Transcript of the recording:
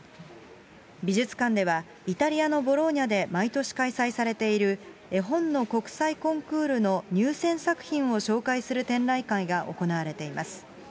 美術館では、イタリアのボローニャで毎年開催されている絵本の国際コンクールの入選作品を紹介する展覧会が行われています。